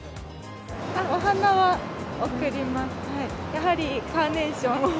お花は贈ります。